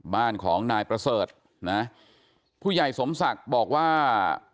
บ้านของนายประเสริฐนะผู้ใหญ่สมศักดิ์บอกว่า